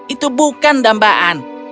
itu bukan dambaan